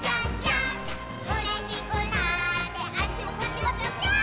「うれしくなってあっちもこっちもぴょぴょーん」